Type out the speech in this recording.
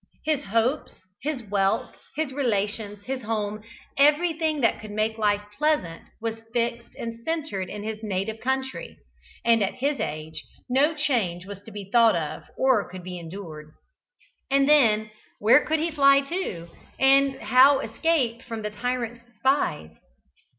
His hopes, his wealth, his relations, his home everything that could make life pleasant was fixed and centred in his native country, and at his age no change was to be thought of or could be endured. And then, where could he fly to, and how escape from the tyrant's spies?